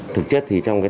thực chất thì không có gì